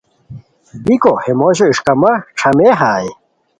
بیکو ہے موشو اݰکامہ ݯھامئیے ہائے